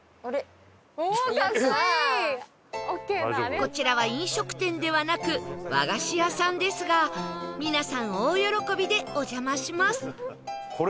こちらは飲食店ではなく和菓子屋さんですが皆さん大喜びでお邪魔します